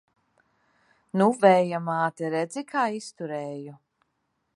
Nu, Vēja māte, redzi, kā izturēju!